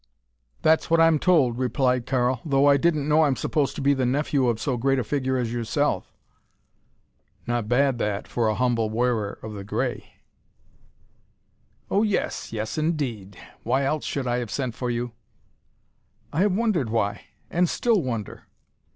"That's what I'm told," replied Karl, "though I didn't know I'm supposed to be the nephew of so great a figure as yourself." Not bad that, for an humble wearer of the gray. "Oh, yes, yes, indeed. Why else should I have sent for you?" "I have wondered why and still wonder."